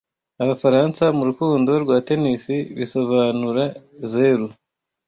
Abafaransa mu rukundo rwa tennis bisobanura zeru